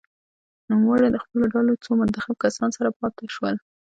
نوموړی د خپلو ډلو څو منتخب کسانو سره پاته شول.